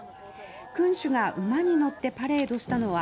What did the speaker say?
君主が馬に乗ってパレードしたのは